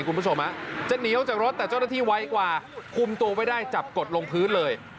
คุณผู้ชมจะหนีออกจากรถแต่เจ้าหน้าที่ไว้กว่าคุมตัวไว้ได้จับกดลงพื้นเลย